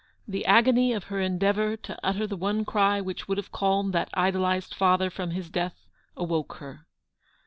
The agony of her endeavour to utter the one cry which would have called that idolised father from his death, awoke her.